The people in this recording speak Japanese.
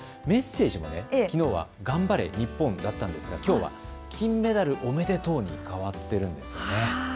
メッセージも、きのうはがんばれニッポンだったんですがきょうは金メダルおめでとうに変わっているんです。